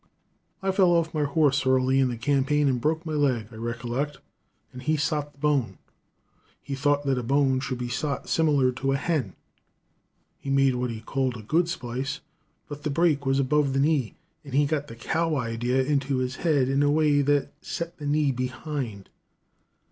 "I fell off'n my horse early in the campaign and broke my leg, I rickolect, and he sot the bone. He thought that a bone should be sot similar to a hen. He made what he called a good splice, but the break was above the knee, and he got the cow idea into his head in a way that set the knee behind.